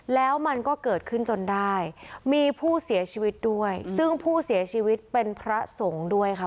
แล้วมันก็เกิดขึ้นจนได้มีผู้เสียชีวิตด้วยซึ่งผู้เสียชีวิตเป็นพระสงฆ์ด้วยค่ะ